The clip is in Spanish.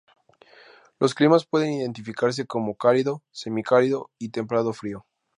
Los climas pueden identificarse como cálido, semicálido y templado frío.